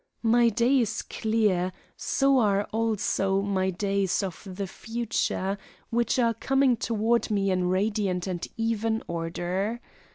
My day is clear. So are also my days of the future, which are coming toward me in radiant and even order.